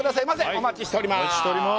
お待ちしております